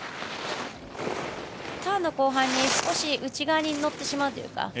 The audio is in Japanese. ターン後半に少し内側に乗ってしまうというか。